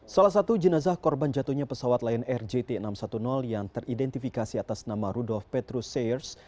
salah satu jenazah korban jatuhnya pesawat lion air jt enam ratus sepuluh yang teridentifikasi atas nama rudolf petrusirs